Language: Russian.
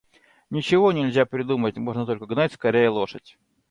Ничего нельзя придумать, можно только гнать скорее лошадь.